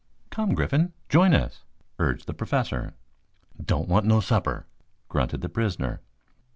"Come, Griffin, join us," urged the Professor. "Don't want no supper," grunted the prisoner.